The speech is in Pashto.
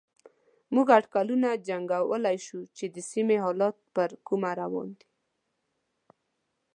موږ اټکلونه جنګولای شو چې د سيمې حالات پر کومه روان دي.